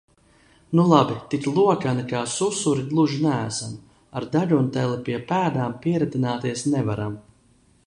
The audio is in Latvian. Nu labi, tik lokani kā susuri gluži neesam, ar degunteli pie pēdām pieritināties nevaram.